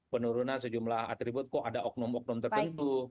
penurunan sejumlah atribut kok ada oknum oknum tertentu